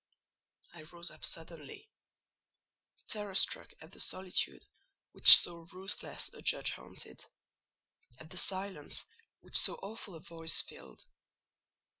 I rose up suddenly, terror struck at the solitude which so ruthless a judge haunted,—at the silence which so awful a voice filled.